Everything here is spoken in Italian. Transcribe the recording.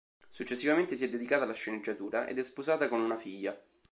Successivamente si è dedicata alla sceneggiatura, ed è sposata con una figlia.